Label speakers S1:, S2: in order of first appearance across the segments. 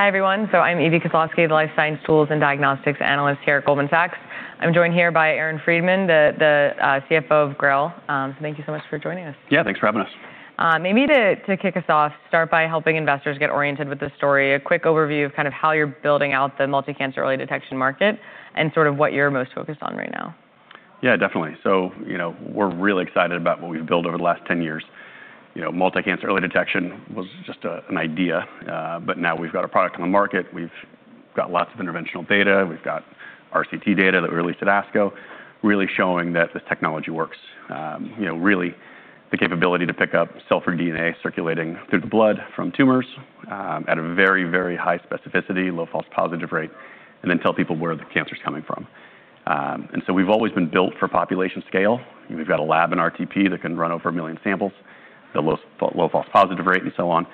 S1: Hi, everyone. I'm Evie Kozlowski, the Life Science Tools and Diagnostics Analyst here at Goldman Sachs. I'm joined here by Aaron Freidin, the CFO of GRAIL. Thank you so much for joining us.
S2: Yeah, thanks for having us.
S1: Maybe to kick us off, start by helping investors get oriented with the story, a quick overview of how you're building out the multi-cancer early detection market and sort of what you're most focused on right now.
S2: Yeah, definitely. We're really excited about what we've built over the last 10 years. Multi-cancer early detection was just an idea. Now we've got a product on the market. We've got lots of interventional data. We've got RCT data that we released at ASCO, really showing that this technology works. Really the capability to pick up cell-free DNA circulating through the blood from tumors, at a very, very high specificity, low false positive rate, and then tell people where the cancer's coming from. We've always been built for population scale. We've got a lab in RTP that can run over a million samples with a low false positive rate and so on.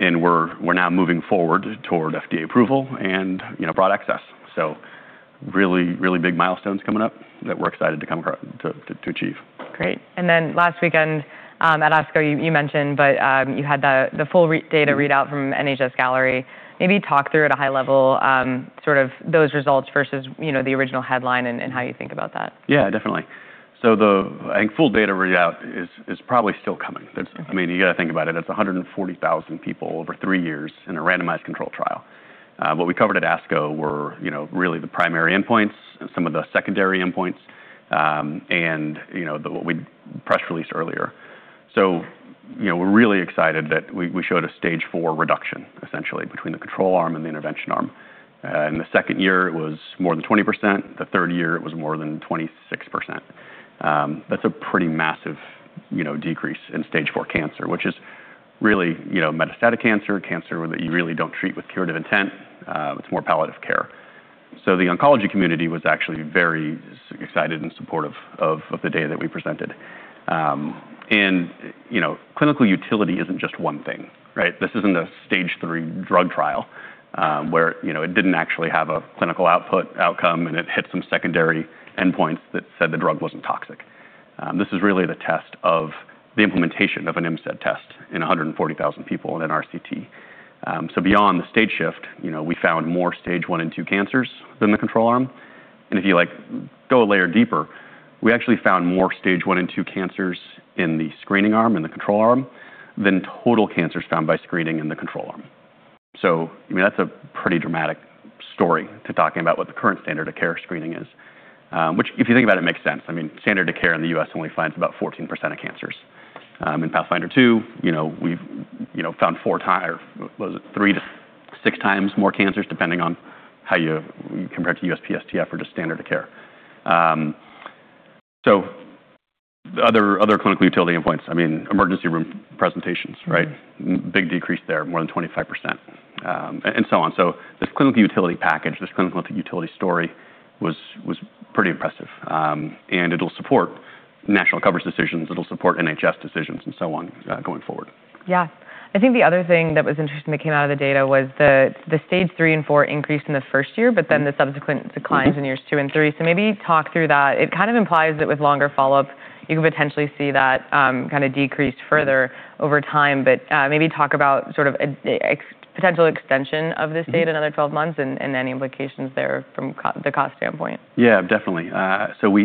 S2: We're now moving forward toward FDA approval and broad access. Really, really big milestones coming up that we're excited to achieve.
S1: Great. Last weekend, at ASCO, you mentioned, but you had the full data readout from NHS-Galleri Trial. Maybe talk through at a high level, sort of those results versus the original headline and how you think about that.
S2: Yeah, definitely. The full data readout is probably still coming.
S1: Okay.
S2: You got to think about it, that's 140,000 people over three years in a randomized control trial. What we covered at ASCO were really the primary endpoints and some of the secondary endpoints, and what we press released earlier. We're really excited that we showed a stage four reduction, essentially, between the control arm and the intervention arm. In the second year, it was more than 20%. The third year, it was more than 26%. That's a pretty massive decrease in stage four cancer, which is really metastatic cancer that you really don't treat with curative intent. It's more palliative care. The oncology community was actually very excited and supportive of the data that we presented. Clinical utility isn't just one thing, right? This isn't a stage three drug trial, where it didn't actually have a clinical outcome, and it hit some secondary endpoints that said the drug wasn't toxic. This is really the test of the implementation of an MCED test in 140,000 people in an RCT. Beyond the stage shift, we found more stage one and two cancers than the control arm. If you go a layer deeper, we actually found more stage one and two cancers in the screening arm, in the control arm, than total cancers found by screening in the control arm. That's a pretty dramatic story to talking about what the current standard of care screening is, which if you think about it, makes sense. Standard of care in the U.S. only finds about 14% of cancers. In PATHFINDER 2, we've found four times, or was it three to six times more cancers, depending on how you compare it to USPSTF or just standard of care. Other clinical utility endpoints, emergency room presentations, right? Big decrease there, more than 25%, and so on. This clinical utility package, this clinical utility story was pretty impressive. It'll support national coverage decisions, it'll support NHS decisions and so on going forward.
S1: Yeah. I think the other thing that was interesting that came out of the data was the stage three and four increase in the first year, then the subsequent declines in years two and three. Maybe talk through that. It kind of implies that with longer follow-up, you could potentially see that kind of decrease further over time. Maybe talk about sort of a potential extension of this date another 12 months and any implications there from the cost standpoint.
S2: Yeah, definitely.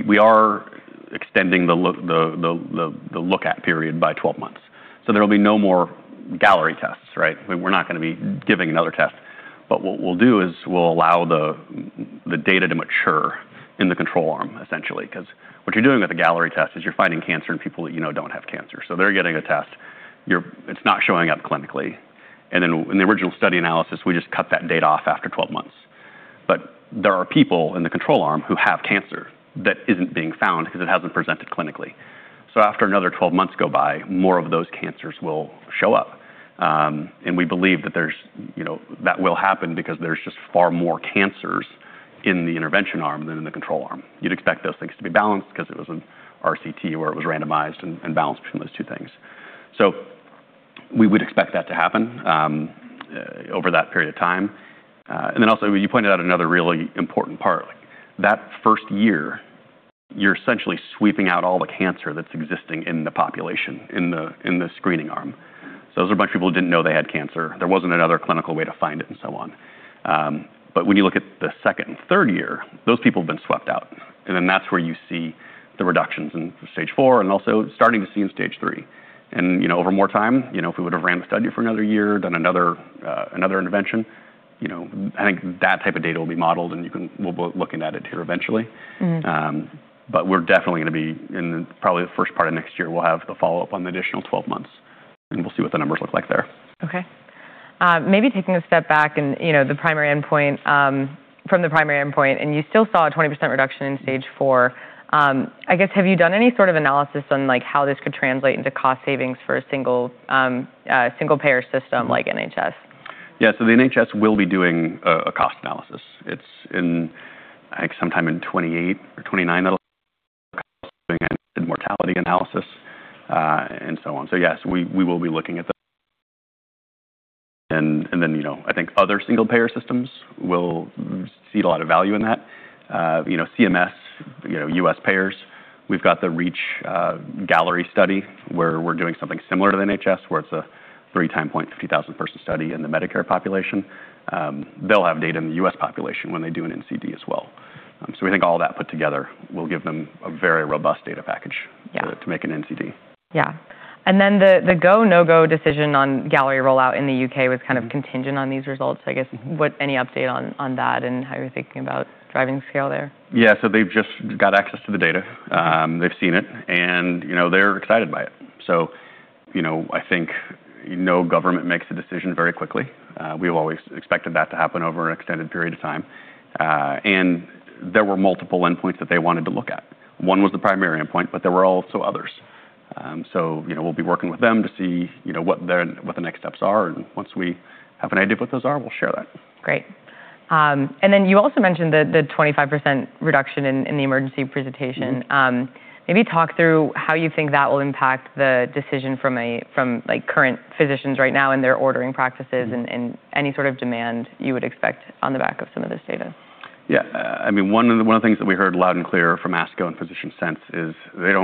S2: We are extending the look-at period by 12 months. There'll be no more Galleri tests, right? We're not going to be giving another test. What we'll do is we'll allow the data to mature in the control arm, essentially, because what you're doing with the Galleri test is you're finding cancer in people that you know don't have cancer. They're getting a test. It's not showing up clinically. Then in the original study analysis, we just cut that data off after 12 months. There are people in the control arm who have cancer that isn't being found because it hasn't presented clinically. After another 12 months go by, more of those cancers will show up. We believe that will happen because there's just far more cancers in the intervention arm than in the control arm. You'd expect those things to be balanced because it was an RCT where it was randomized and balanced between those two things. We would expect that to happen over that period of time. Also, you pointed out another really important part. That first year, you're essentially sweeping out all the cancer that's existing in the population in the screening arm. Those are a bunch of people who didn't know they had cancer. There wasn't another clinical way to find it and so on. When you look at the second and third year, those people have been swept out, and then that's where you see the reductions in stage four and also starting to see in stage three. Over more time, if we would've ran the study for another year, done another intervention, I think that type of data will be modeled, and we'll be looking at it here eventually. We're definitely going to be in probably the first part of next year, we'll have the follow-up on the additional 12 months, and we'll see what the numbers look like there.
S1: Okay. Maybe taking a step back from the primary endpoint, you still saw a 20% reduction in stage four. I guess, have you done any sort of analysis on how this could translate into cost savings for a single-payer system like NHS?
S2: The NHS will be doing a cost analysis. I think sometime in 2028 or 2029, they'll doing a mortality analysis, and so on. Yes, we will be looking at. Then, I think other single-payer systems will see a lot of value in that. CMS U.S. payers. We've got the REACH/Galleri-Medicare Study where we're doing something similar to the NHS, where it's a three-time point 50,000-person study in the Medicare population. They'll have data in the U.S. population when they do an NCD as well. We think all that put together will give them a very robust data package.
S1: Yeah.
S2: To make an NCD.
S1: The go, no-go decision on Galleri rollout in the U.K. was kind of contingent on these results, I guess. Any update on that and how you're thinking about driving scale there?
S2: They've just got access to the data. They've seen it, and they're excited by it. I think no government makes a decision very quickly. We've always expected that to happen over an extended period of time. There were multiple endpoints that they wanted to look at. One was the primary endpoint, but there were also others. We'll be working with them to see what the next steps are, and once we have an idea of what those are, we'll share that.
S1: Great. You also mentioned the 25% reduction in the emergency presentation. Maybe talk through how you think that will impact the decision from current physicians right now in their ordering practices. Any sort of demand you would expect on the back of some of this data.
S2: Yeah. One of the things that we heard loud and clear from ASCO and Physician Sense is they're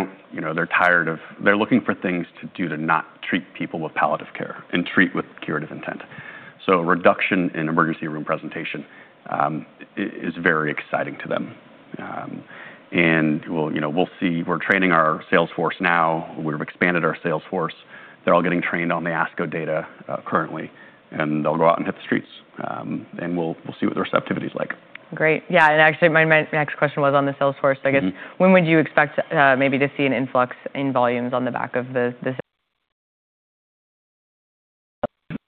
S2: looking for things to do to not treat people with palliative care and treat with curative intent. A reduction in emergency room presentation is very exciting to them. We'll see. We're training our sales force now. We've expanded our sales force. They're all getting trained on the ASCO data currently, and they'll go out and hit the streets. We'll see what the receptivity is like.
S1: Great. Actually, my next question was on the sales force. I guess, when would you expect maybe to see an influx in volumes on the back of this?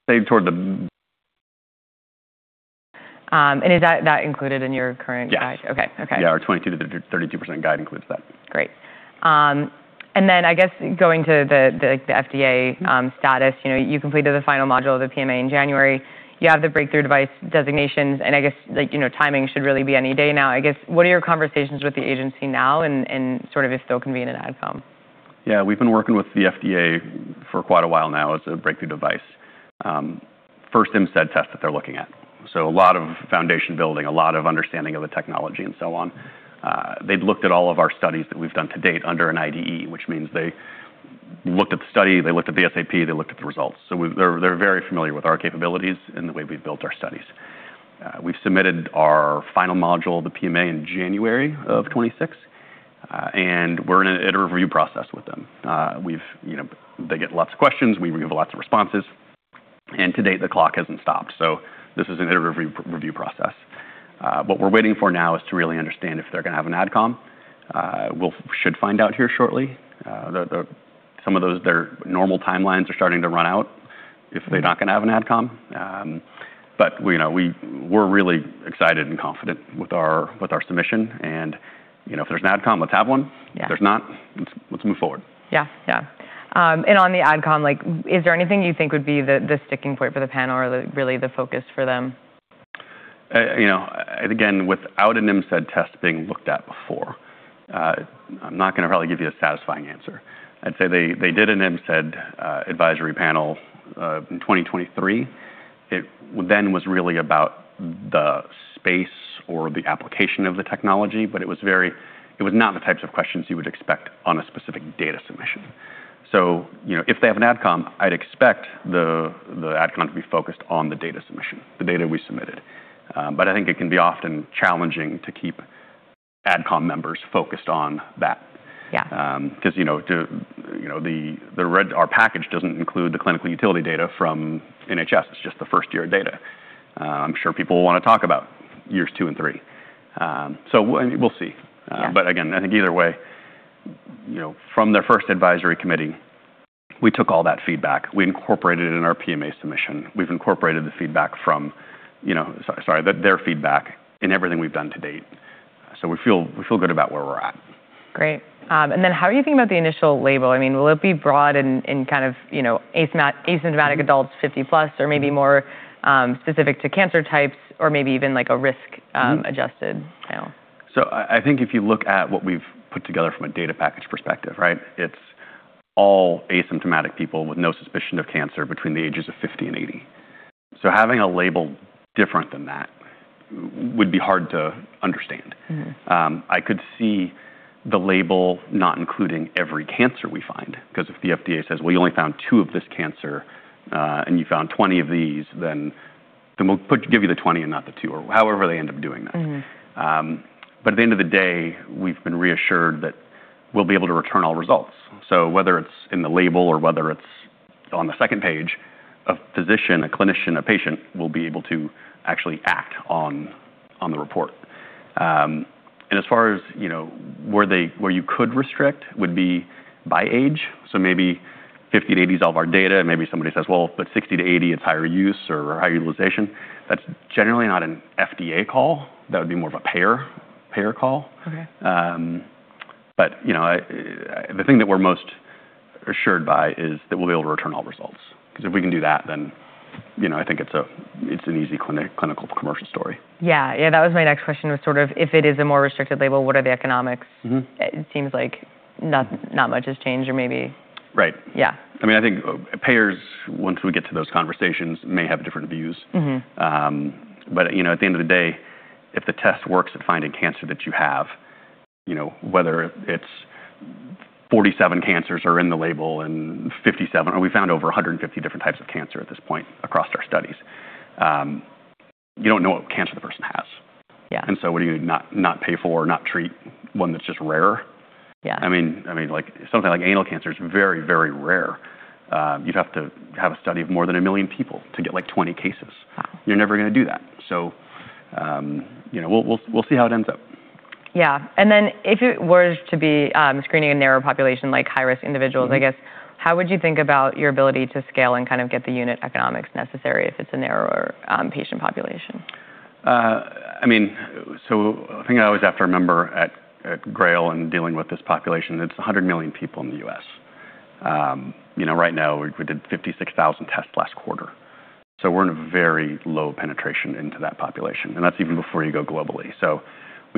S2: Say, toward the
S1: Is that included in your current guide?
S2: Yes.
S1: Okay.
S2: Yeah. Our 22%-32% guide includes that.
S1: Great. I guess going to the FDA status, you completed the final module of the PMA in January. You have the Breakthrough Device designations, and I guess, timing should really be any day now, I guess. What are your conversations with the agency now and sort of if they'll convene an AdCom?
S2: Yeah, we've been working with the FDA for quite a while now as a Breakthrough Device. First MCED test that they're looking at. A lot of foundation building, a lot of understanding of the technology, and so on. They've looked at all of our studies that we've done to date under an IDE, which means they looked at the study, they looked at the SAP, they looked at the results. They're very familiar with our capabilities and the way we've built our studies. We've submitted our final module, the PMA, in January of 2026. We're in an iterative review process with them. They get lots of questions. We give lots of responses. To date, the clock hasn't stopped. This is an iterative review process. What we're waiting for now is to really understand if they're going to have an AdCom. We should find out here shortly. Some of their normal timelines are starting to run out if they're not going to have an AdCom. We're really excited and confident with our submission, and if there's an AdCom, let's have one.
S1: Yeah.
S2: If there's not, let's move forward.
S1: Yeah. On the AdCom, is there anything you think would be the sticking point for the panel or really the focus for them?
S2: Again, without an MCED test being looked at before, I'm not going to probably give you a satisfying answer. I'd say they did an MCED advisory panel in 2023. It was really about the space or the application of the technology, but it was not the types of questions you would expect on a specific data submission. If they have an AdCom, I'd expect the AdCom to be focused on the data submission, the data we submitted. I think it can be often challenging to keep AdCom members focused on that.
S1: Yeah.
S2: Our package doesn't include the clinical utility data from NHS. It's just the first year of data. I'm sure people will want to talk about years two and three. We'll see.
S1: Yeah.
S2: Again, I think either way, from their first advisory committee, we took all that feedback. We incorporated it in our PMA submission. We've incorporated their feedback in everything we've done to date. We feel good about where we're at.
S1: Great. Then how are you thinking about the initial label? Will it be broad in kind of asymptomatic adults 50+, or maybe more specific to cancer types or maybe even a risk-adjusted scale?
S2: I think if you look at what we've put together from a data package perspective, it's all asymptomatic people with no suspicion of cancer between the ages of 50 and 80. Having a label different than that would be hard to understand. I could see the label not including every cancer we find because if the FDA says, "Well, you only found two of this cancer, and you found 20 of these," we'll give you the 20 and not the two, or however they end up doing that. At the end of the day, we've been reassured that we'll be able to return all results. Whether it's in the label or whether it's on the second page, a physician, a clinician, a patient, will be able to actually act on the report. As far as where you could restrict would be by age. Maybe 50-80 is all of our data, and maybe somebody says, "Well, but 60-80, it's higher use or higher utilization." That's generally not an FDA call. That would be more of a payer call.
S1: Okay.
S2: The thing that we're most assured by is that we'll be able to return all results. If we can do that, I think it's an easy clinical commercial story.
S1: Yeah. That was my next question, was sort of if it is a more restricted label, what are the economics? It seems like not much has changed.
S2: Right.
S1: Yeah.
S2: I think payers, once we get to those conversations, may have different views. At the end of the day, if the test works at finding cancer that you have, whether it's 47 cancers are in the label. We found over 150 different types of cancer at this point across our studies. You don't know what cancer the person has.
S1: Yeah.
S2: What are you going to not pay for or not treat one that's just rarer?
S1: Yeah.
S2: Something like anal cancer is very, very rare. You'd have to have a study of more than a million people to get 20 cases.
S1: Wow.
S2: You're never going to do that. We'll see how it ends up.
S1: Yeah. If it were to be screening a narrow population, like high-risk individuals. I guess, how would you think about your ability to scale and get the unit economics necessary if it's a narrower patient population?
S2: The thing I always have to remember at GRAIL and dealing with this population, it's 100 million people in the U.S. Right now, we did 56,000 tests last quarter. We're in a very low penetration into that population, and that's even before you go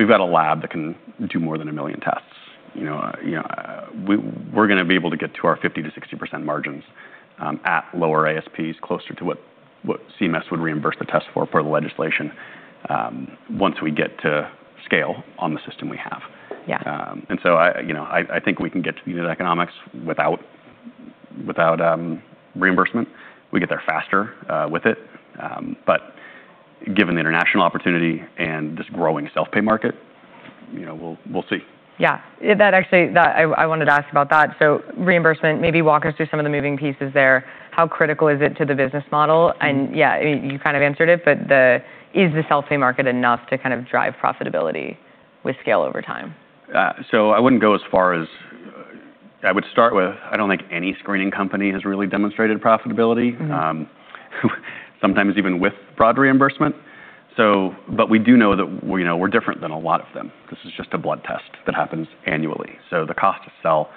S2: globally. We've got a lab that can do more than 1 million tests. We're going to be able to get to our 50%-60% margins, at lower ASPs closer to what CMS would reimburse the test for per the legislation once we get to scale on the system we have.
S1: Yeah.
S2: I think we can get to the unit economics without reimbursement. We get there faster with it. Given the international opportunity and this growing self-pay market, we'll see.
S1: Yeah. Actually, I wanted to ask about that. Reimbursement, maybe walk us through some of the moving pieces there. How critical is it to the business model? You kind of answered it, but is the self-pay market enough to drive profitability with scale over time?
S2: I don't think any screening company has really demonstrated profitability. Sometimes even with broad reimbursement. We do know that we're different than a lot of them. This is just a blood test that happens annually. The cost to sell,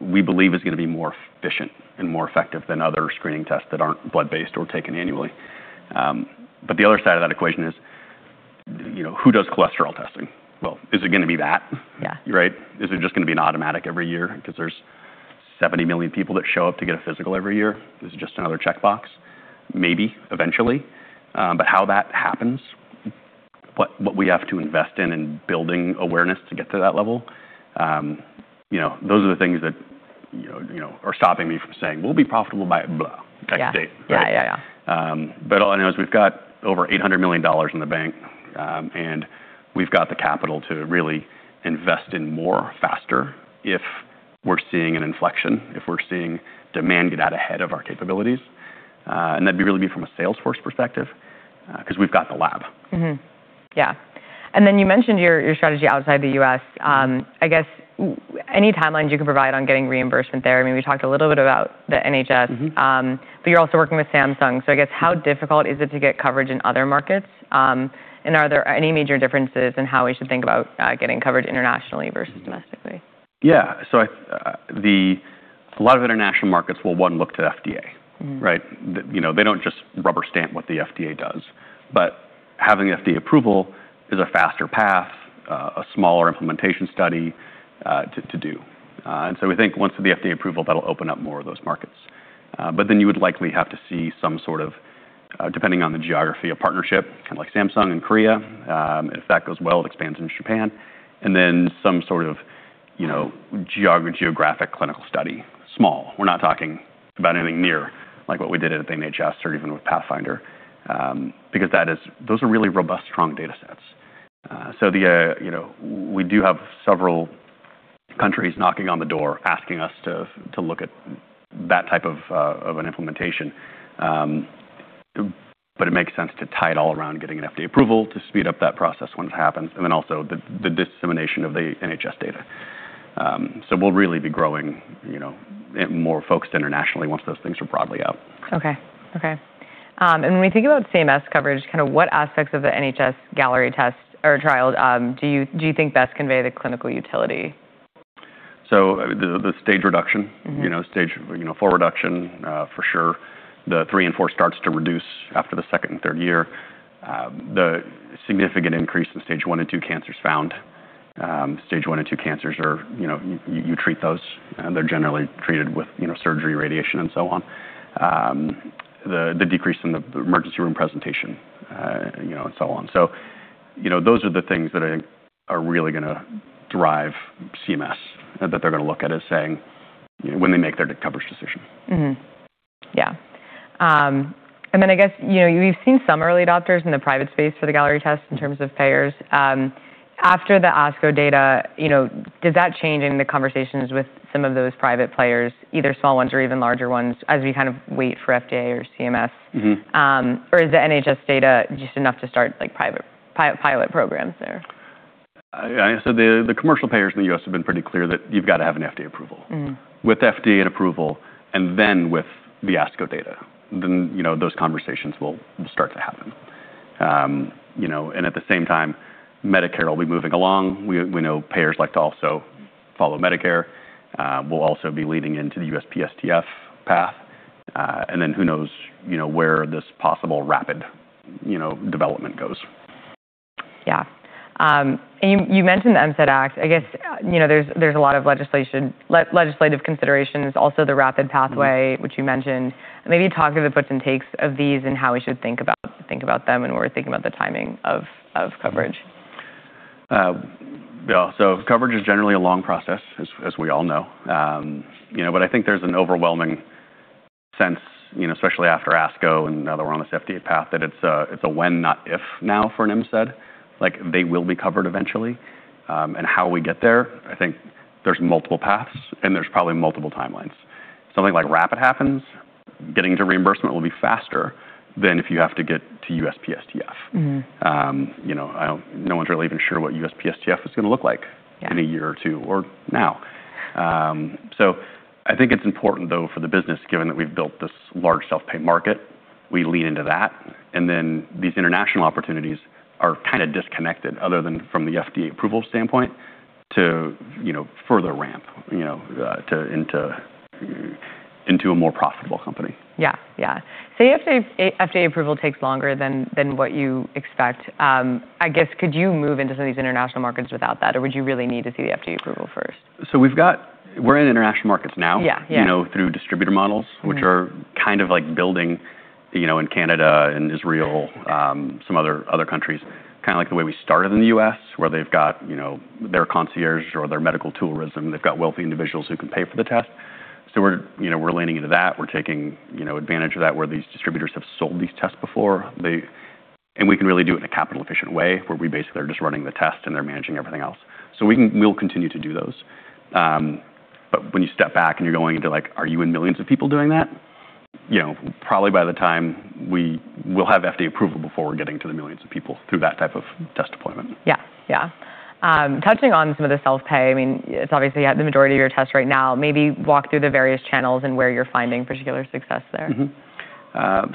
S2: we believe is going to be more efficient and more effective than other screening tests that aren't blood-based or taken annually. Well, the other side of that equation is, who does cholesterol testing? Is it going to be that?
S1: Yeah.
S2: Right? Is it just going to be an automatic every year because there's 70 million people that show up to get a physical every year? Is it just another checkbox? Maybe eventually. How that happens, what we have to invest in in building awareness to get to that level, those are the things that are stopping me from saying, "We'll be profitable by blah," type of date, right?
S1: Yeah.
S2: All I know is we've got over $800 million in the bank, and we've got the capital to really invest in more faster if we're seeing an inflection, if we're seeing demand get out ahead of our capabilities. That'd really be from a Salesforce perspective, because we've got the lab.
S1: Yeah. Then you mentioned your strategy outside the U.S. I guess, any timelines you could provide on getting reimbursement there? We talked a little bit about the NHS. You're also working with Samsung. I guess how difficult is it to get coverage in other markets? Are there any major differences in how we should think about getting coverage internationally versus domestically?
S2: A lot of international markets will, one, look to the FDA, right? They don't just rubber-stamp what the FDA does. Having FDA approval is a faster path, a smaller implementation study to do. We think once the FDA approval, that'll open up more of those markets. You would likely have to see some sort of, depending on the geography, a partnership. Like Samsung in Korea. If that goes well, it expands into Japan. Then some sort of geographic clinical study. Small. We're not talking about anything near what we did at the NHS or even with PATHFINDER Study, because those are really robust, strong data sets. We do have several countries knocking on the door asking us to look at that type of an implementation. It makes sense to tie it all around getting an FDA approval to speed up that process when it happens, also the dissemination of the NHS data. We'll really be growing more focused internationally once those things are broadly out.
S1: When we think about CMS coverage, what aspects of the NHS-Galleri Trial test or trial do you think best convey the clinical utility?
S2: The stage reduction. Stage four reduction, for sure. The three and four starts to reduce after the second and third year. The significant increase in stage one and two cancers found. Stage one and two cancers, you treat those, and they're generally treated with surgery, radiation, and so on. The decrease in the emergency room presentation, and so on. Those are the things that I think are really going to drive CMS, that they're going to look at as saying when they make their coverage decision.
S1: Mm-hmm. Yeah. Then, I guess, we've seen some early adopters in the private space for the Galleri test in terms of payers. After the ASCO data, did that change any of the conversations with some of those private players, either small ones or even larger ones, as we wait for FDA or CMS? Is the NHS data just enough to start pilot programs there?
S2: The commercial payers in the U.S. have been pretty clear that you've got to have an FDA approval. With FDA and approval, with the ASCO data, then those conversations will start to happen. At the same time, Medicare will be moving along. We know payers like to also follow Medicare. We'll also be leading into the USPSTF path. Who knows where this possible rapid development goes.
S1: Yeah. You mentioned the MCED Act. I guess there's a lot of legislative considerations, also the rapid pathway which you mentioned. Maybe talk through the puts and takes of these and how we should think about them when we're thinking about the timing of coverage.
S2: Yeah. Coverage is generally a long process, as we all know. I think there's an overwhelming sense, especially after ASCO and now that we're on this FDA path, that it's a when, not if, now for an MCED. They will be covered eventually. How we get there, I think there's multiple paths and there's probably multiple timelines. Something like rapid happens, getting to reimbursement will be faster than if you have to get to USPSTF. No one's really even sure what USPSTF is going to look like.
S1: Yeah.
S2: In a year or two, or now. I think it's important, though, for the business, given that we've built this large self-pay market, we lean into that, and then these international opportunities are kind of disconnected, other than from the FDA approval standpoint, to further ramp into a more profitable company.
S1: Yeah. Say FDA approval takes longer than what you expect. Could you move into some of these international markets without that, or would you really need to see the FDA approval first?
S2: We're in international markets now.
S1: Yeah.
S2: Through distributor models, which are kind of building in Canada and Israel, some other countries, kind of like the way we started in the U.S., where they've got their concierge or their medical tourism. They've got wealthy individuals who can pay for the test. We're leaning into that. We're taking advantage of that, where these distributors have sold these tests before. We can really do it in a capital-efficient way, where we basically are just running the test and they're managing everything else. We'll continue to do those. When you step back and you're going into, are you in millions of people doing that? Probably by the time we will have FDA approval before we're getting to the millions of people through that type of test deployment.
S1: Yeah. Touching on some of the self-pay, it's obviously the majority of your tests right now. Maybe walk through the various channels and where you're finding particular success there.
S2: Mm-hmm.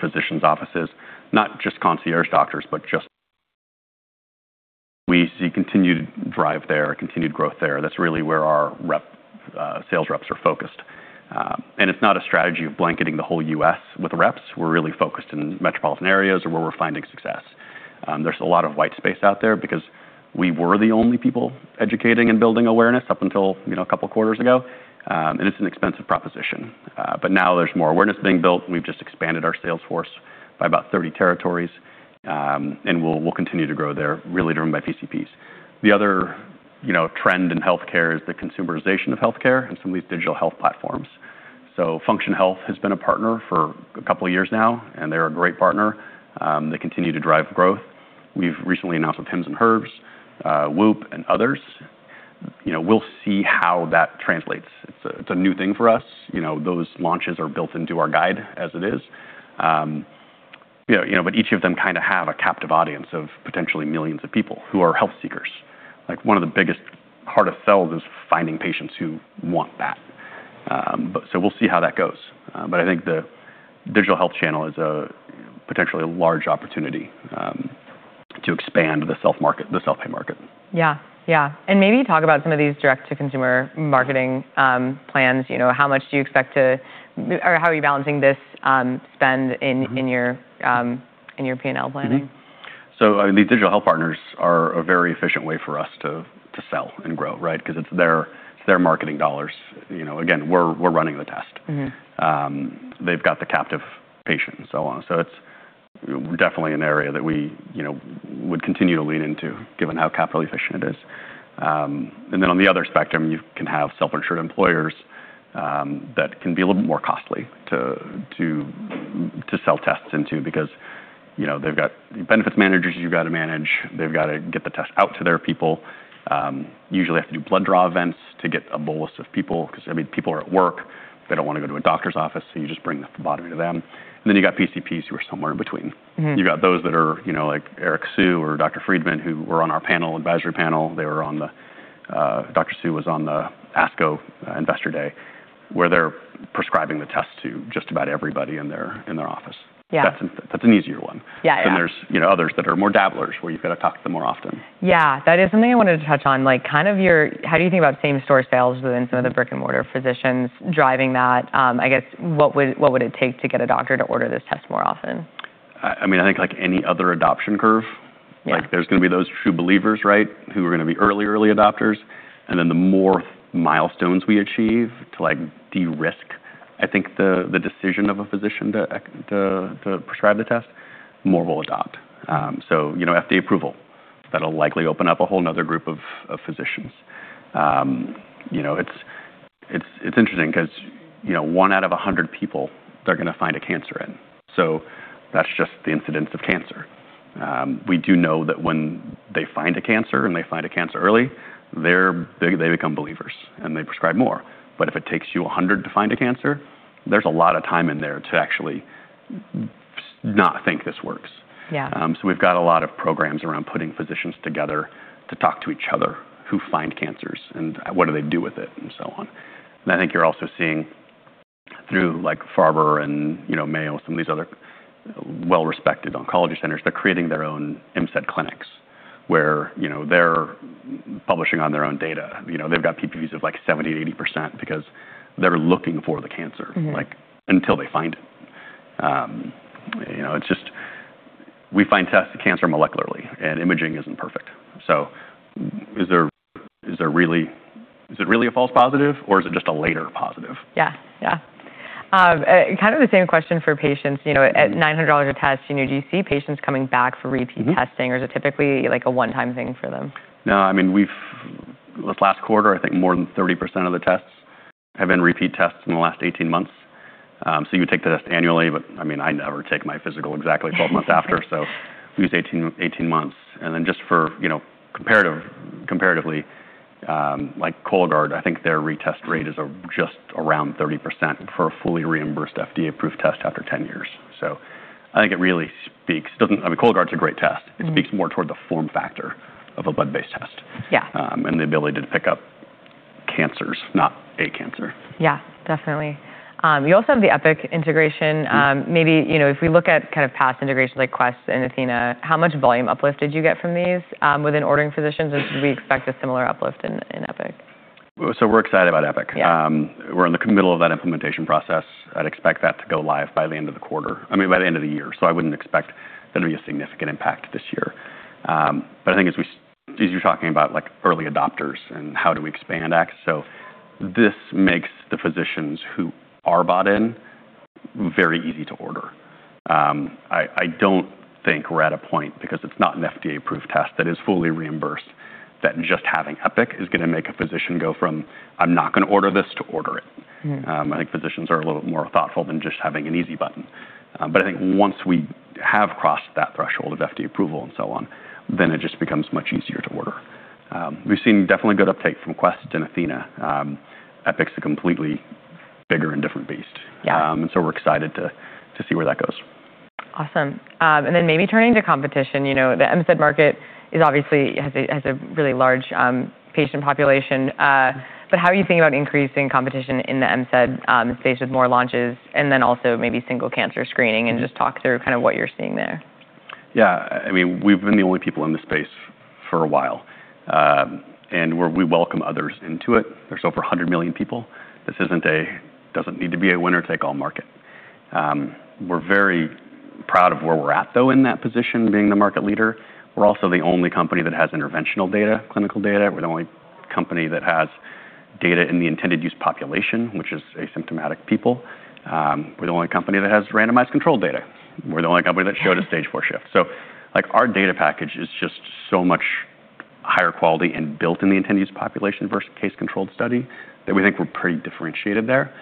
S2: Physicians offices, not just concierge doctors, but just. We see continued drive there, continued growth there. That's really where our sales reps are focused. It's not a strategy of blanketing the whole U.S. with reps. We're really focused in metropolitan areas or where we're finding success. There's a lot of white space out there because we were the only people educating and building awareness up until a couple of quarters ago, and it's an expensive proposition. Now there's more awareness being built, we've just expanded our sales force by about 30 territories, we'll continue to grow there, really driven by PCPs. The other trend in healthcare is the consumerization of healthcare and some of these digital health platforms. Function Health has been a partner for a couple of years now, and they're a great partner. They continue to drive growth. We've recently announced with Hims and Hers, Whoop, and others. We'll see how that translates. It's a new thing for us. Those launches are built into our guide as it is. Each of them have a captive audience of potentially millions of people who are health seekers. One of the biggest hardest of sells is finding patients who want that. We'll see how that goes. I think the digital health channel is a potentially large opportunity to expand the self-pay market.
S1: Maybe talk about some of these direct-to-consumer marketing plans. How are you balancing this spend in your P&L planning?
S2: Mm-hmm. These digital health partners are a very efficient way for us to sell and grow, right? It's their marketing dollars. Again, we're running the test. They've got the captive patient and so on. It's definitely an area that we would continue to lean into given how capital efficient it is. On the other spectrum, you can have self-insured employers that can be a little bit more costly to sell tests into because they've got benefits managers you've got to manage. They've got to get the test out to their people. Usually have to do blood draw events to get a bolus of people because people are at work. They don't want to go to a doctor's office, so you just bring the phlebotomy to them. Then you've got PCPs who are somewhere in between. You've got those that are like Eric Sue or Catherine Friederich, who were on our advisory panel. Dr. Sue was on the ASCO Investor Day, where they're prescribing the test to just about everybody in their office.
S1: Yeah.
S2: That's an easier one.
S1: Yeah.
S2: There's others that are more dabblers, where you've got to talk to them more often.
S1: Yeah. That is something I wanted to touch on. How do you think about same-store sales within some of the brick-and-mortar physicians driving that? What would it take to get a doctor to order this test more often?
S2: I think like any other adoption curve-
S1: Yeah.
S2: There's going to be those true believers, right? Who are going to be early adopters. Then the more milestones we achieve to de-risk, I think, the decision of a physician to prescribe the test, more will adopt. FDA approval, that'll likely open up a whole another group of physicians. It's interesting because one out of 100 people, they're going to find a cancer in. That's just the incidence of cancer. We do know that when they find a cancer, and they find a cancer early, they become believers, and they prescribe more. If it takes you 100 to find a cancer, there's a lot of time in there to actually not think this works.
S1: Yeah.
S2: We've got a lot of programs around putting physicians together to talk to each other who find cancers, and what do they do with it, and so on. And I think you're also seeing through Farber and Mayo, some of these other well-respected oncology centers, they're creating their own MCED clinics where they're publishing on their own data. They've got PPVs of 70%-80% because they're looking for the cancer until they find it. We find test cancer molecularly, and imaging isn't perfect. Is it really a false positive or is it just a later positive?
S1: Yeah. Kind of the same question for patients. At $900 a test, do you see patients coming back for repeat testing or is it typically a one-time thing for them?
S2: No, this last quarter, I think more than 30% of the tests have been repeat tests in the last 18 months. You would take the test annually, I never take my physical exactly 12 months after. We use 18 months, just comparatively, like Cologuard, I think their retest rate is just around 30% for a fully reimbursed FDA approved test after 10 years. I think it really speaks. Cologuard's a great test. It speaks more toward the form factor of a blood-based test.
S1: Yeah.
S2: The ability to pick up cancers, not a cancer.
S1: Yeah, definitely. You also have the Epic integration. Maybe if we look at past integrations like Quest Diagnostics and athenahealth, how much volume uplift did you get from these within ordering physicians? Should we expect a similar uplift in Epic Systems Corporation?
S2: We're excited about Epic Systems Corporation.
S1: Yeah.
S2: We're in the middle of that implementation process. I'd expect that to go live by the end of the quarter, by the end of the year. I wouldn't expect there to be a significant impact this year. But I think as you're talking about early adopters and how do we expand access, this makes the physicians who are bought in very easy to order. I don't think we're at a point because it's not an FDA approved test that is fully reimbursed, that just having Epic Systems Corporation is going to make a physician go from, "I'm not going to order this" to order it. I think physicians are a little bit more thoughtful than just having an easy button. But I think once we have crossed that threshold of FDA approval and so on, then it just becomes much easier to order. We've seen definitely good uptake from Quest Diagnostics and athenahealth. Epic Systems Corporation's a completely bigger and different beast.
S1: Yeah.
S2: We're excited to see where that goes.
S1: Awesome. Maybe turning to competition. The MCED market obviously has a really large patient population. How are you thinking about increasing competition in the MCED space with more launches and then also maybe single cancer screening and just talk through what you're seeing there?
S2: Yeah. We've been the only people in the space for a while, we welcome others into it. There's over 100 million people. This doesn't need to be a winner-take-all market. We're very proud of where we're at, though, in that position, being the market leader. We're also the only company that has interventional data, clinical data. We're the only company that has data in the intended use population, which is asymptomatic people. We're the only company that has randomized controlled data. We're the only company that showed a stage four shift. Our data package is just so much higher quality and built in the intended use population versus case-controlled study that we think we're pretty differentiated there.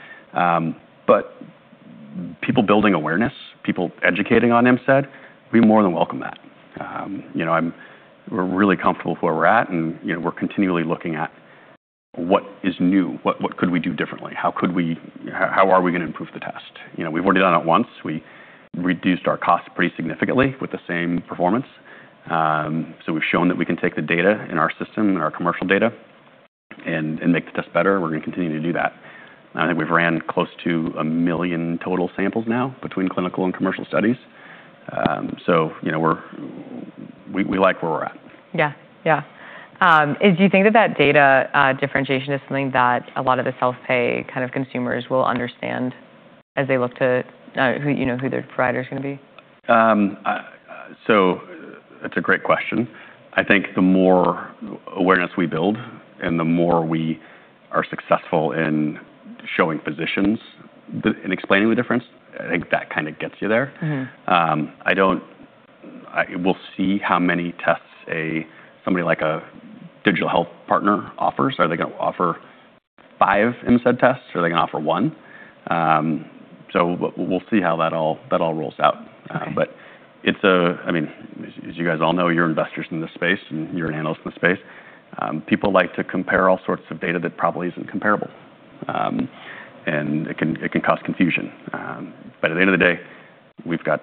S2: People building awareness, people educating on MCED, we more than welcome that. We're really comfortable with where we're at, we're continually looking at what is new, what could we do differently? How are we going to improve the test? We've already done it once. We reduced our cost pretty significantly with the same performance. We've shown that we can take the data in our system and our commercial data and make the test better, we're going to continue to do that. I think we've ran close to a million total samples now between clinical and commercial studies. We like where we're at.
S1: Yeah. Do you think that that data differentiation is something that a lot of the self-pay kind of consumers will understand as they look to who their provider's going to be?
S2: That is a great question. I think the more awareness we build and the more we are successful in showing physicians and explaining the difference, I think that kind of gets you there. We'll see how many tests somebody like a digital health partner offers. Are they going to offer five MCED tests? Are they going to offer one? We'll see how that all rolls out.
S1: Okay.
S2: As you guys all know, you're investors in this space, and you're an analyst in the space. People like to compare all sorts of data that probably isn't comparable. It can cause confusion. At the end of the day, we've got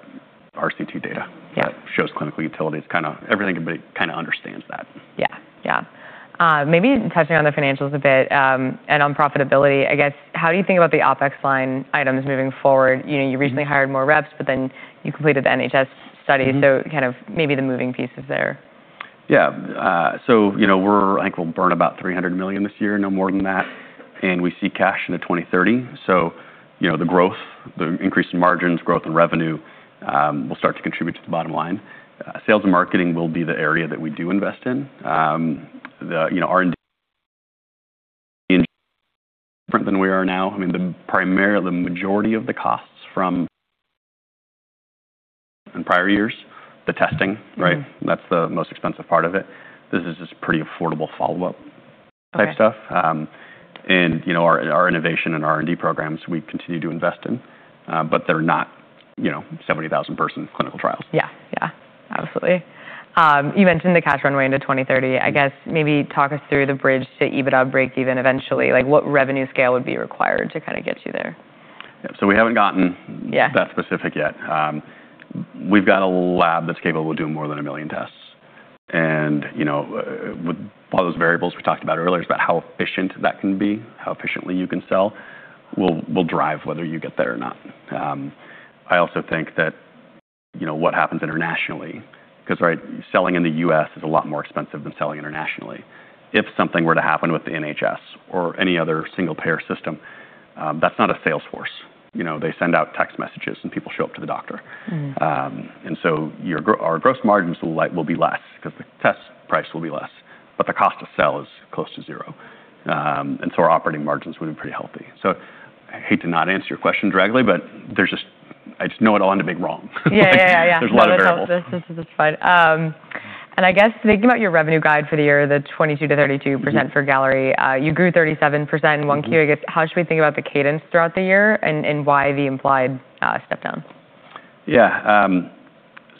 S2: RCT data.
S1: Yeah.
S2: That shows clinical utility. Everybody kind of understands that.
S1: Yeah. Maybe touching on the financials a bit, and on profitability, I guess, how do you think about the OpEx line items moving forward? You recently hired more reps, you completed the NHS study. Kind of maybe the moving pieces there.
S2: Yeah. I think we'll burn about $300 million this year, no more than that, and we see cash into 2030. The growth, the increase in margins, growth in revenue, will start to contribute to the bottom line. Sales and marketing will be the area that we do invest in. The R&D different than we are now. The majority of the costs from in prior years, the testing. That's the most expensive part of it. This is just pretty affordable follow-up type stuff.
S1: Okay.
S2: Our innovation and R&D programs we continue to invest in, but they're not 70,000-person clinical trials.
S1: Yeah. Absolutely. You mentioned the cash runway into 2030. I guess, maybe talk us through the bridge to EBITDA breakeven eventually. What revenue scale would be required to get you there?
S2: We haven't gotten-
S1: Yeah.
S2: That specific yet. We've got a lab that's capable of doing more than 1 million tests, and with all those variables we talked about earlier about how efficient that can be, how efficiently you can sell will drive whether you get there or not. I also think that what happens internationally, because selling in the U.S. is a lot more expensive than selling internationally. If something were to happen with the NHS or any other single-payer system, that's not a sales force. They send out text messages, and people show up to the doctor. Our gross margins will be less because the test price will be less, but the cost to sell is close to zero, and so our operating margins would be pretty healthy. I hate to not answer your question directly, but I just know it'll end up being wrong.
S1: Yeah.
S2: There's a lot of variables.
S1: No, this is fine. I guess thinking about your revenue guide for the year, the 22%-32% for Galleri, you grew 37% in Q1. I guess how should we think about the cadence throughout the year and why the implied step down?
S2: Yeah.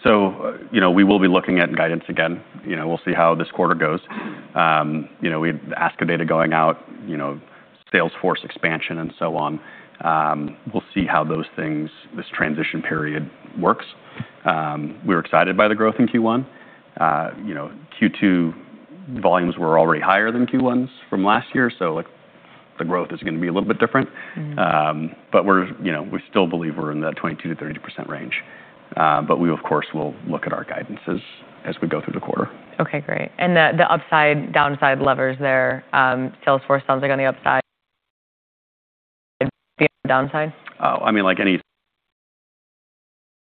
S2: We will be looking at guidance again. We'll see how this quarter goes. We have ASCO data going out, salesforce expansion, and so on. We'll see how those things, this transition period works. We were excited by the growth in Q1. Q2 volumes were already higher than Q1's from last year, the growth is going to be a little bit different. We still believe we're in that 22%-30% range. We, of course, will look at our guidances as we go through the quarter.
S1: Okay, great. The upside downside levers there, Salesforce sounds like on the upside. downside?
S2: Like any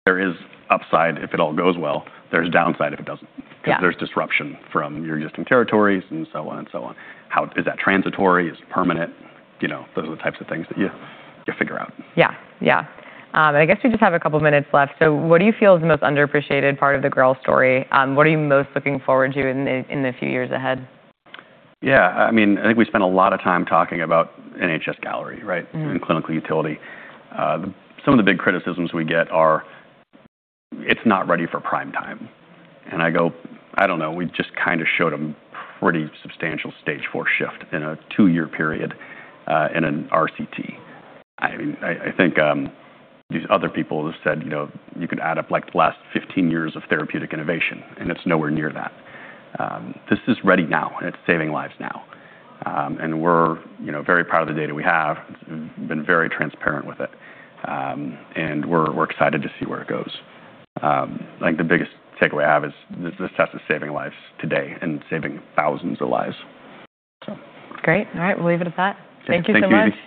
S2: there is upside if it all goes well. There's downside if it doesn't.
S1: Yeah.
S2: There's disruption from your existing territories and so on. Is that transitory? Is it permanent? Those are the types of things that you figure out.
S1: Yeah. I guess we just have a couple of minutes left. What do you feel is the most underappreciated part of the GRAIL story? What are you most looking forward to in the few years ahead?
S2: Yeah. I think we spent a lot of time talking about NHS-Galleri Trial, right? Clinical utility. Some of the big criticisms we get are, "It's not ready for prime time." I go, "I don't know. We just showed a pretty substantial stage four shift in a two-year period, in an RCT." I think these other people have said you could add up the last 15 years of therapeutic innovation, it's nowhere near that. This is ready now, and it's saving lives now. We're very proud of the data we have. We've been very transparent with it. We're excited to see where it goes. The biggest takeaway I have is this test is saving lives today and saving thousands of lives.
S1: Great. All right. We'll leave it at that. Thank you so much.
S2: Thank you.